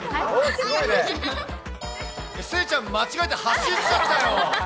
晴ちゃん、間違えて走っちゃったよ。